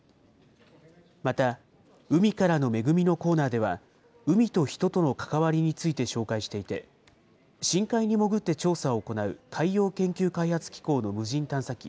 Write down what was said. また海からのめぐみのコーナーでは、海と人との関わりについて紹介していて、深海に潜って調査を行う海洋研究開発機構の無人探査機